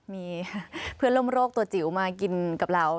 มีเพื่อนร่วมโรคตัวจิ๋วมากินกับเรา